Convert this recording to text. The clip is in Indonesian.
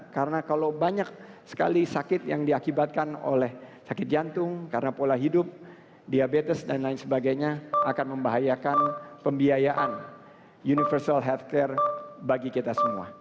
karena kalau banyak sekali sakit yang diakibatkan oleh sakit jantung karena pola hidup diabetes dan lain sebagainya akan membahayakan pembiayaan universal healthcare bagi kita semua